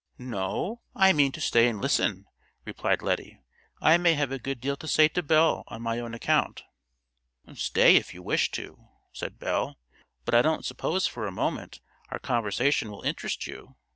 "No, I mean to stay and listen," replied Lettie. "I may have a good deal to say to Belle on my own account." "Stay, if you wish to," said Belle; "but I don't suppose for a moment our conversation will interest you.